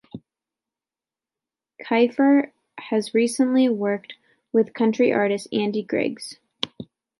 Keifer has recently worked with country artist Andy Griggs.